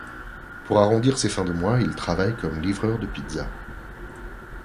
Pour arrondir ses fins de mois, il travaille comme livreur de pizza.